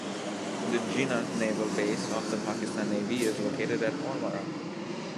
The Jinnah Naval Base of the Pakistan Navy is located at Ormara.